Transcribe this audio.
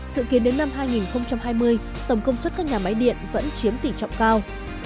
dự kiến đến năm hai nghìn hai mươi tổng công suất các nhà máy điện vẫn chiếm tỷ trọng cao